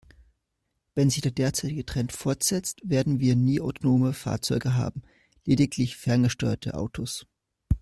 Wenn sich der derzeitige Trend fortsetzt, werden wir nie autonome Fahrzeuge haben, lediglich ferngesteuerte Autos.